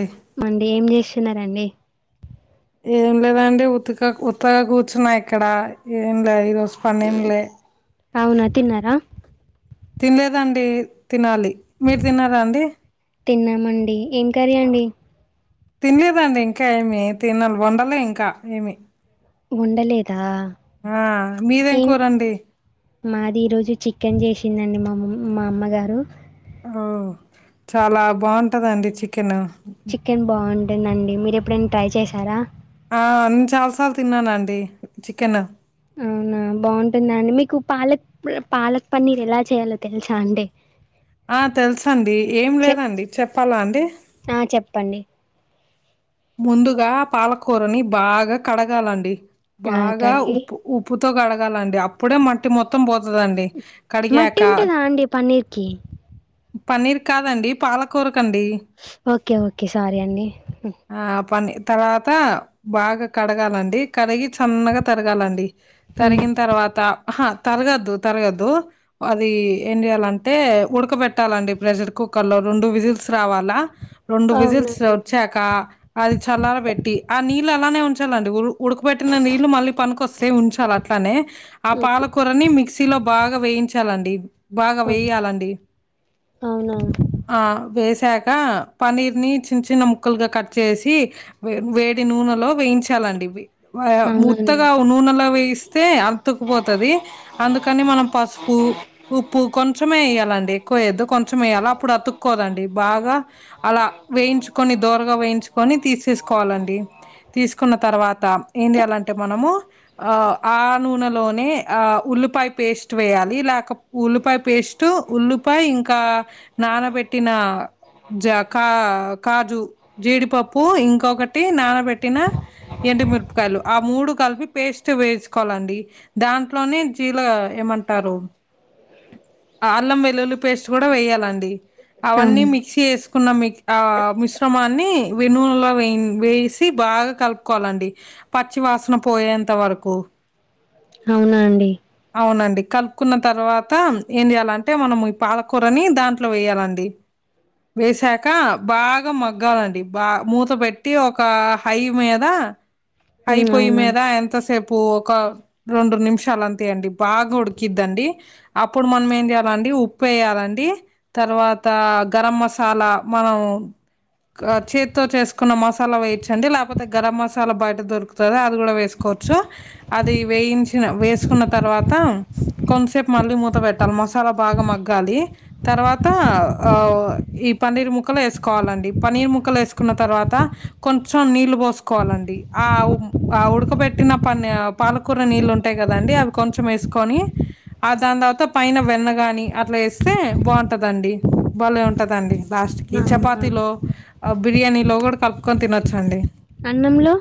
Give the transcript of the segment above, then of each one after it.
ఏయ్ మండి ఏం చేస్తున్నారండి. ఏం లేదండి ఉతుగా ఉత్తగా కూర్చున్నా ఇక్కడ ఏం లే ఈ రోజు పని ఏం లే అవునా తిన్నారా. తినలేదండి తినాలి మీరు తిన్నారా అండి. తిన్నామండి ఏం కర్రీ అండి. తినలేదండి ఇంకా ఏమి తినాలి వండలే ఇంకా ఏమి వండలేదా ఆ మీదేం ఏం కూరండి మాది ఈ రోజు చికెన్ చేసిందండి మా మా అమ్మగారు. ఓ చాల బాగుంటదండి చికెను చికెన్ బాగుంటుందండి మీరు ఎప్పుడైన ట్రై చేశార ఆ నేను చాల సార్లు తిన్నానండి చికెన్ అవునా బాగుంటుంద అండి మీకు పాలక్ పాలక్ పన్నీర్ ఎల చేయాలో తెలుసా అండి ఆ తెలుస అండి ఏం చెప్ లేదండి చెప్పాల అండి ఆ చెప్పండి ముందుగ పాలకూరని బాగ కడగాలండి ఆ బాగ కడిగి ఉప్పు ఉప్పుతో కడగాలండి అప్పుడే మట్టి మొత్తం పోతు అండి మట్టి కడిగకా ఉంటుందా అండి పన్నీర్కి పన్నిర్ కాదండి పాలకూర ఓకే ఓకే స్వారీ అండి ఆ పని తర్వాత బాగ కడగాలండి కడి సన్నగా తరగాలండి ఉమ్. తరిగిన తర్వాత హ తరగద్దు తరగద్దు అది ఏం చెయాలంటే ఉడకబెట్టాలండి ప్రెసర్ [unintelligible] కుక్కర్లో రెండు విజిల్స్ రావాల రెండు విజిల్స్ అవునండి వచ్చాక అది చల్లార పెట్టి ఆ నీళ్ళు అలానే ఉంచాల ఉడకబట్టిన నీళ్లు మళ్ళీ పనికొస్తే ఉంచాలి అట్లనే ఆ ఓకే పాలకురని మిక్సీలో బా బాగ వేయించాలండి బాగ ఓకే. వెగలండి అవునా [unintelligible] పన్నీర్ని చిన్న చిన్న ముక్కలుగ కట్ చేసి వేడి నూనెలో వేయించాలండి ఆ అవునండి ముత్తగ నూనెలో వేస్తే అతుకుపోతుది అందుకని మనం పస్ పు ఉప్పు కొ కొంచెమే వేయాలండి ఎక్కువ వేద్దు కొంచెం వయ్యాలి అప్పుడు అతుక్కోదండి బాగా అలా వేయించుకొని దోరగ వేయిన్ తేసేసుకోవలండి తీసుకున్న తరువాత ఎంచెయలి అంటే మనము ఆ నూనెలోనే ఆ ఉల్లిపాయ పేస్ట్ వేయాలి లేక ఉల్లిపాయ పేస్ట్ ఉల్లి ఇంకా నానబెట్టిన క కాజు జీడిపప్పు ప్పు ఇంకొకటి నానబెట్టిన ఎండుమిరపకాయలు ఆ మూడు కలిపి పేస్ట్ వేసుకో దాంట్లోనే జీల ఏమంటారు ఆల్లం వెల్లుల్లి పేస్ట్ కూడ వేయ్యాలండి అవన్నీ అవునండి మిక్సీ చేసుకున్న మి ఆ మిశ్రమాన్ని వినూనలో వే వేసి బాగ కలుపుకోవాలండి పచ్చి వాసన పోయేంత వరకు అవునా అండి అవునండి కలుపుకున్న తర్వాత ఏం చెయ్యాలంటే మనం ఈ పాలకూరని దాంట్లో వేయాలండి వేసాక బాగ మగ్గాలండి బా మూత పెట్టి ఒక హై మీద ఉమ్ అయిపోయి మీద అవునండి ఎంతసేపు ఒక రెండు నిమిషాల అండి బాగ ఉడికిద్దండి అప్పుడు మనం ఏం చేయాలండి ఉప్పు వేయాలండి తర్వ తరవాత గరం మసాలా మనం చేతో చేసుకున్న మసాలా వేయచండి లేకపోతే గరం మసాలా బయట దొరుకుతుంది అది కూడా వేసుకో అది వేయించిన కు న్న తర్వాత కొంసేపు మళ్ళీ మూత పెట్టాలి మసాలా బాగా మగ్గాలి తర్వాత అ ఆ ఈ పన్నీర్ ముక్కలో ఏసుకోవాలండి పన్నీర్ ముక్కలో ఏసుకున్న తరువాత కొంచం నీళ్లు పోసుకోవాలండి ఆ ఉ ఉడకబెట్టిన పన్ పాలకూర నీళ్లు ఉంటాయి కదా దండి అవి కొంచం వేసుకొనిని దాని తర్ పైన వెన్న కాని అట్లా వేస్తే బాగుంటద అండి బలే ఉంటదండి లాస్ట్కి అవునా చపాతీలో బిర్యానీలో కూడా కలుపుకొని తినవచ్చండి అన్నంలో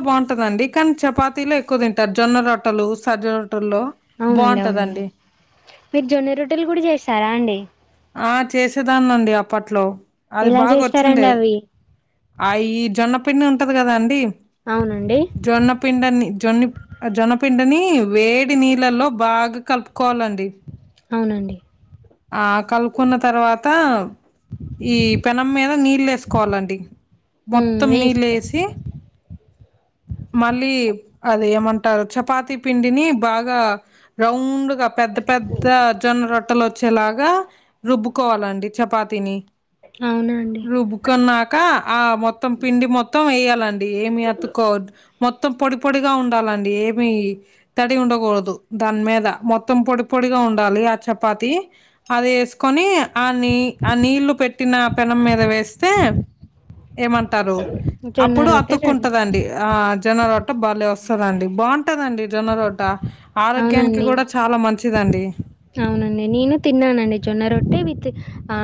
బాగుంటందండి కానీ చపాతీలో ఎక్కువ తింటారు జొన్న రొట్టలు సజ అవునండి అవును లే మీరు జొన్న రొట్టెలు కూడా చేస్తారా అండి ఆ చేసేదాన్నండి అప్పట్లో అది ఎలా బాగా చేస్తారండి వచ్చుండేది అవి అ ఈ జొన్న పిండి ఉంటది కదా అండి అవునండి జొన్న పిండని ఆ జొన పిండని వేడి నీళ్ళల్లో బాగా కలుపుకోవాలండి అవునండి ఆ కలుపుకున్న తర్వాత ఈ పెనం మీద నీళ్ళు వేసుకోవాలండి ఉమ్ మొత్తం నీళ్ళు వేసుకో ఎసి మళ్ళీ అది ఏమంటారు చపాతి పిండిని బాగా రౌండ్ గా పె పెద్ద పెద్ద జొన్న రొట్టలు వచ్చేలాగా రుబ్బుకోవాలండి చపాతిని అవునా అండి రుబ్బుకున్నాక ఆ మొత్తం పిండి మొత్తం వేయ్యాలండి డి ఏమి అతుకోదు మొత్తం పొడి పొడిగా ఉండాలండి ఏమి తడి ఉండకూడదు దాని మీద మొత్తం పొడి పొడిగా ఉండాలి ఆ చపాతి అది వేసుకొని ఆ నీ ఆ నీళ్లు పెట్టిన పెనం మీద వేస్తే ఏమంటారు జొన్న అప్పుడు రొట్టె రెడీ అతుక్కుంటదండి ఆ జొన్న రోట్ట బలె వస్తందండి బాగుంటదండి జొన్న రోట్ట ఆరోగ్యానికి అవునండి కూడా చాలా మంచిదం అవునండి నేను తిన్నానండి జొన్న రొట్టె విత్ ఆ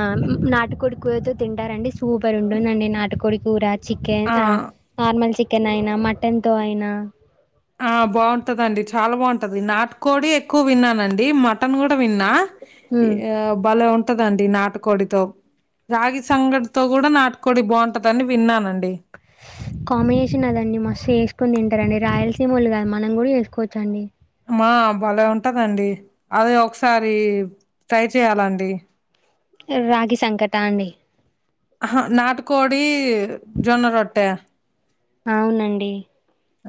నాటుకోడి కూరతో తింటారండి సూపర్ ఉంటుందండి నాటుకోడి కూర చికెన్ ఆ అ నార్మల్ చికెన్ అయినా మటన్ తో అయినా ఆ బాగుంటదండి చాలా బాగుంటది నాటు కోడి ఎక్కువ విన్నానండి మటన్ కూడా విన్నా ఉమ్ ఇగ బలె ఉం ఉంటదండి నాటుకోడితో రాగి సంగటితో కూడా నాటుకోడి బాగుంటదని విన్నానండి కాంబినేషన్ అదండి మస్తు వేసుకుని తిం కదండి రాయలసీమోళ్ళు కాద్ మనం కూడా చేసుకోవచ్చండి మా బాలే ఉంటదండి అదే ఒకసారి ట్రై చేయ్యాలండి రాగి సంకట అండి కోడి జొన్న రోట్ట అవునండి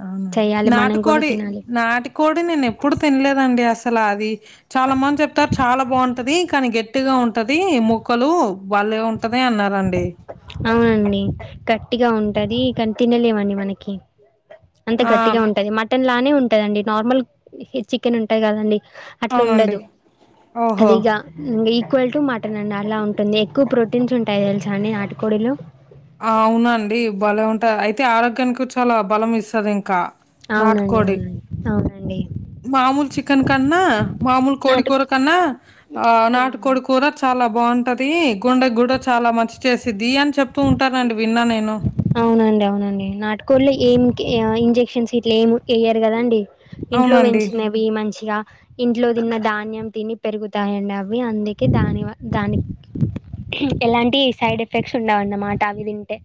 అవునం చెయ్యాలి మనం కూడా నాటుకోడి తినాలి. నాటికోడి నేను ఎప్పుడు తినలేదండి అసలు అది చాలా మంది చెప్తారు చాలా బాగుంటది కానీ గట్టిగా ఉంటది ముక్కలు బలె ఉం ఆ అండి గట్టిగా ఉంటది కని తినలేం మండి మనకి అంత ఆ గట్టిగా ఉంటంది మటన్ లానే ని ఉంటదండి నార్మల్ చికెన్ ఉంటది కదండి అట్ల అవునండి ఉండదు ఓహో అదిగ నీక్ ఈక్వల్ టు మటన్ అండి అలా ఉంటుంది ఎక్కువ ప్రోటీన్స్ ఉంటాయి తెలుసా అండి నాటుకోడిలో ఆ అవునండి బాలే ఉంటాయి అయితే ఆరోగ్యానికి చాలా బలం ఇస్తది ఇంకా అవునండి నాటుకోడి అవును అవునండి మామూలు చికెన్ కన్నా మామూలు కోడి నాటు కూర కన్నా ఆ నాటు కోడి కూర చాలా బాగుంటది గుండె కూడా చాలా మంచి చేసిద్ది అని చెప్తూ ఉంటారు అండి విన్నా నేను అవునండి అవునండి నాటుకోళ్ళో ఏం ఇంజెక్షన్స్ ఇట్లా ఏమి అయ్యారు కదా అండి ఇంట్లో అవునండి పెంచినేవి మంచిగా ఇంట్లో తిన్న ధాన్యం తిని పెరుగుతాయండి అవి అందుకే దాని వ దానికి ఎలాంటి సైడ్ ఎఫెక్ట్స్ ఉండవు అన్నమాట అవి తింటే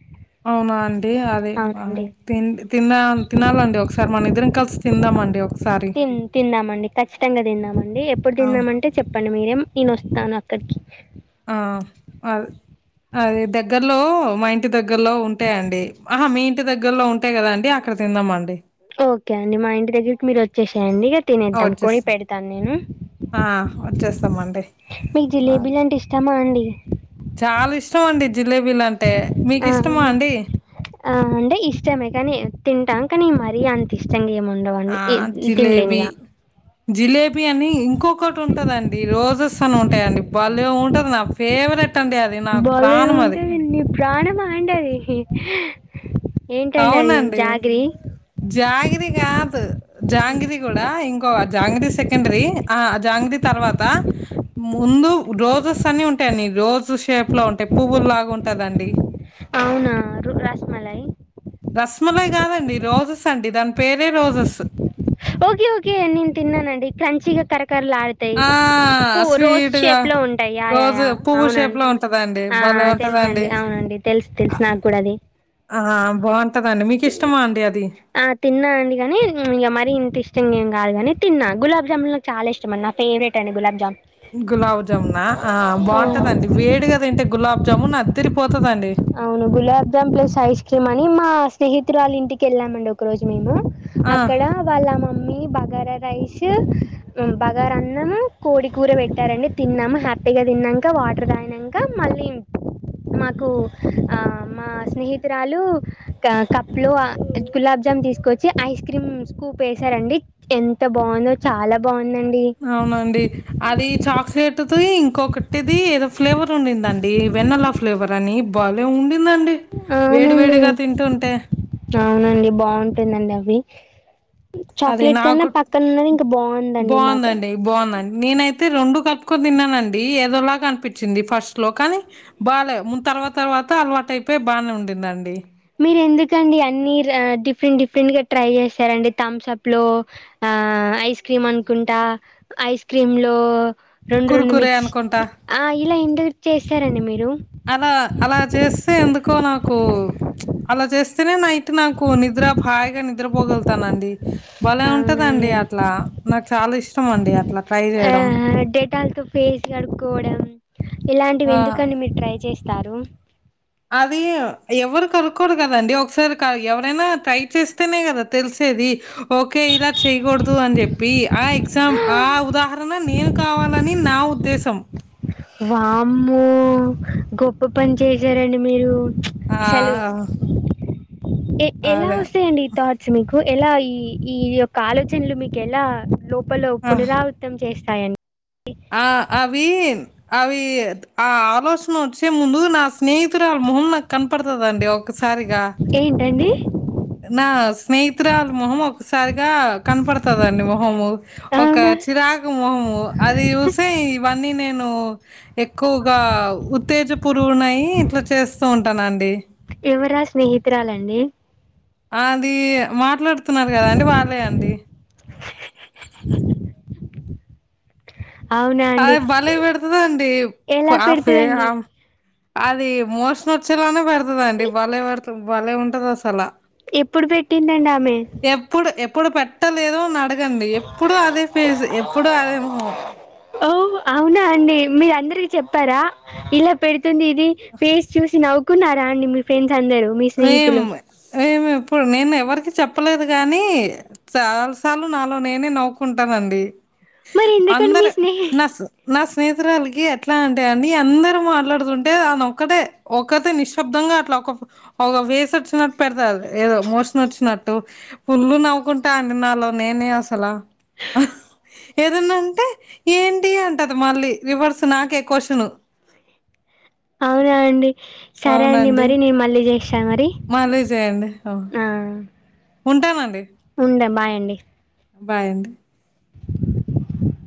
అవునా అండి అదే అవునండి. తి తిన తినాలండి ఒకసారి మన ఇద్దరం కలిసి తిందామండి ఒకసారి తి తిందామండి ఖచ్చితంగా తిందామండి ఎప్పుడు అవును తిందామంటే చెప్పండి మీరేం నేను వస్తాను అక్కడికి ఆ అల్ అది దగ్గర్లో మా ఇంటి దగ్గ దగ్గరలో ఉంటాయ్ అండి ఆహా మీ ఇంటి దగ్గరలో ఉంటాయి కదా అండి అక్కడ తిందాము అండి ఓకే అండి మా ఇంటి దగ్గరికి మీరు వచ్చేసేయండి ఆ తినేద్దాం కొని వచ్చేస్తాం పెడతాను నేను ఆ వచ్చేస్తామండి మీకు ఆ జిలేబీలు అంటే ఇష్టమా అండి చాలా ఇష్టం అండి జిలేబీలు అంటే మీకు ఆ! ఇష్టమా అవునా? అండి ఆ అంటే ఇష్టమే కానీ తింటాం కానీ మరీ అంత ఇష్టంగా ఏమో ఉండవు అని ఆ తినలేను జిలేబీ ఇగ జిలేబీ అని ఇంకొకటి ఉంటదండి రోజెస్ అని ఉంటాయిండి బలే ఉంటది నా ఫేవరెట్ అండి అది నాకు భలే ప్రాణం అది ఉంటదండి. ప్రాణమా అండి అది ఏంటండి అది జాగిరి ఆది కాదు జాంగరి కూడా ఇంకో జాంగరి సెకండరీ ఆ జాంగ్రీ తర్వాత ముందు రోజెస్ అని ఉంటాయిడి రోజు షేప్ లో ఉంటాయి పువ్వులు లాగా ఉంటదండి అవునా రూ రసమలై రాస్మాలై కాదండి రోజస్ అండి దాని పేరే రోజస్ ఓకే ఓకే నేను తిన్నానండి క్రంచిగా కరక్ట్ కర లాడతాయి ఆ ప్ రోజ్ స్వీట్గా షేప్ లో ఉంటాయి రోజు యాయా పువ్వు షేప్ అవునండి లో ఉంటదండి ఆ భలే ఆ తెలుసు ఉంటదండి అండి అవునండి తెలుసు తెలుసు నాకు కూడా అది ఆ బాగుంటది అండి అది ఆ తిన్నా అండి కానీ ఇంగ మరీ ఇంత ఇష్టంగా ఏ కాదు గానీ తిన్నా గులాబ్ జామ్ లు నాకు చాలా ఇష్టండి నా ఫేవరెట్ అం గులాబ్ జామ్ గులాబ్జామునా ఆ బాగుంటదండి వేడిగా తింటే గులాబ్జామున్ అదిరి అవును gulab jamun plus ice cream అని మా స్నేహితురాలు ఇంటికి వెళ్ళామండి ఒక రోజు మేము ఆ అక్కడ వాళ్ళ mummy bagara rice rice bagara అన్నం కోడి కూర పెట్టారండి తిన్నాము హ్యాపీగా తిన్నంక వాటర్ తగినంక మళ్ళీ మాకు ఆ మా స్నేహితురాలు కప్ లో గులాబ్ జామ్ తీసుకొచ్చి ఐస్ క్రీమ్ స్కూప్ వేసారండి ఎంత బాగు బాగుందో చాలా బాగుంది అవునండి అది చక్శేప్ తిది ఇంకొక టిది ఏదో ఫ్లేవర్ ఉండిందండి వెన్నలా ఫ్లేవర్ అని బలే ఉండి అవునండి అవునండి బాగుంటుందండి అవి అది చాక్లెట్ కన్నా నాకు పక్కన ఉన్నది ఇంకా బాగుందండి మాకు బాగుందండి బాగుందండి నేనైతే రెండు కలుపుకొని తిన్నానండి ఏదోలాగా అనిపించింది ఫస్ట్ లో కాని బలే ముంత తర్వా తర్వాత అలవాటు అయిపోయి బాగానే ఉండిందండి. మీరు ఎందుకండి అన్ని డిఫరెంట్ డిఫరెంట్ గా ట్రై చేస్తారండి థమ్స్ అప్ లో ఆ ఐస్ క్రీమ్ అనుకుంటా ఐస్ క్రీమ్ లో రెండు రెండు కురుకురే మిక్స్ అనుకుంటా ఆ ఇలా ఎందుకు చేస్తారండి మీరు. అలా అలా చేస్తే ఎందుకో నాకు అలా చేస్తేనే నైట్ ఇ నాకు నిద్ర హాయిగా నిద్ర పోగలు తానండి బలే ఉంటదండి. అవునండి అట్లా నాకు చాలా ఇష్టం అండి అట్లా ట్రై చేయడం హ్యాండ్స్ ఫేస్ కడుక్కోవడం ఇలాంటివి ఆ ఎందుకండి మీరు ట్రై చేస్తారు అది ఎవరు కనుక్కోరు కదండి ఒకసారి ఎవరైనా ట్రై చేస్తేనే కదా తెలిసి చెసేది. ఓకే ఇలా చేయకూడదు అని చెప్పి ఆ ఎగ్జామ్ ఆ ఉదాహరణ నేను కావాలని నా ఉద్దేశం. వామ్మో గొప్ప పని చేసారండి మీరు. ఆ అసలు ఎలా అదే వస్తాయండి ఈ థాట్స్ మీకు. ఎలా ఈ యొక్క ఆలోచనలు మీకు ఎలా లోపల ఆ పునరావృతం చేస్తాయండి. ఆ అవి అవి ఆ ఆలోచన వచ్చే ముందు నా నేను కూడా స్నేహితురాలు మొహం నాకు కనపడతుదండి ఒకసారిగా. ఏంటండి నా స్నేహితురాలు మొహము ఒకసారిగా కనపడుతదండి మొహము ఒక అవునా చిరాకు ముఖము అది చూసి ఇవి అన్నీ నేను నేను ఎక్కువగా ఉత్తేజపురువునయి ఇట్లా చేస్తూ ఉంటాన అండి. ఎవరా స్నేహితురాలండి? అది మాట్లాడుతున్నాను కదా అండి వాళ్ళే అండి. [unintelligible] అవునా అండి అదే బలే ఎ పెడుతుదాండి ఎలా ఆఫేస్ పెడుతదండి ఆ.. అది మోసన్ వచ్చేలానే పెడుతుదండి బలే పడుతాది. బలే ఉంటది అసలు ఎప్పుడు పెట్టిందండి? ఆమె ఎప్పుడు ఎప్పుడు పెట్టలేదో అడుగు అడగండి. ఎప్పుడు అదే ఫేస్ ఎప్పుడు అదే మొహం. ఓవ్ అవునా అండి, మీరు అందరికి చెప్పారా? ఇలా పెడుతుంది ఇది ఫేస్ చూసి నవ్వుకున్నారా? అండి మీ ఫ్రెండ్స్ అందరూ మీ మేం స్నేహితులు. మేము ఇప్పుడు నేను ఎవరికి చెప్పలేదు గాని, చాలాసార్లు నాలో నేనే నవ్వుకుంటానండి. మరి ఎందుకని మీ అందరూ స్నేహి నస్ నస్.. స్నేహితురాలకి ఎట్లా అంటే అడి అందరూ మాట్లాడుతుంటే తను ఒక్కటే ఒక్కతే నిశ్శబ్దంగా అట్లా. [unintelligible] ఒక వేసి వచ్చినట్టు పెడతు ఏదో మోషన్ వచ్చినట్టు పుల్లు నవ్వుకుంటా అండి నాలో నేను. నేను అసలు.. ఏదన్నాంటే ఏంటి అంటది మళ్ళీ రివర్స్ నాకే క్వశ్చన్ అవునా అండి. సరే అండి అవునండి మరి నేను మళ్ళీ చేస్తా మరి మళ్ళీ చేయండి ఆ. ఉంటానండి. ఉండండి. బై అండి. బాయ్ అండి. [inaudible]